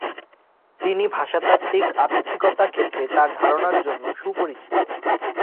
তিনি ভাষাতাত্ত্বিক আপেক্ষিকতার ক্ষেত্রে তার ধারণার জন্য সুপরিচিত।